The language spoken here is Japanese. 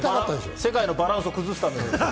世界のバランスを崩すためですよ。